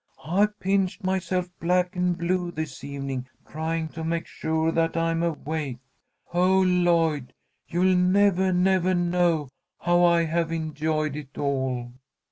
I've pinched myself black and blue this evening, trying to make sure that I am awake. Oh, Lloyd, you'll never, never know how I have enjoyed it all."